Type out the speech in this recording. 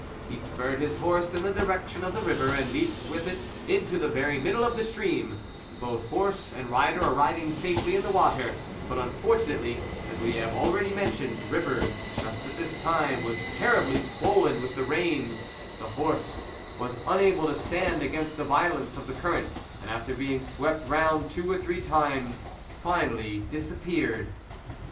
He spurred his horse in the direction of the river, and leaped with it into the very middle of the stream, both horse and rider arriving safely in the water ; but, unfortunately, as we have already men tioned, the river just at this time was terribly swollen with the rains, the horse was unable to stand against the violence of the current, and after being swept round two or three times finally dis appeared.